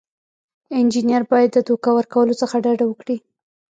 انجینر باید د دوکه ورکولو څخه ډډه وکړي.